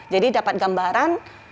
jadi dapat gambaran